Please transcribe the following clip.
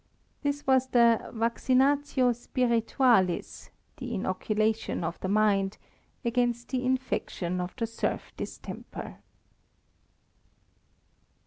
This was the vaccinatio spiritualis, the inoculation of the mind against the infection of the serf distemper.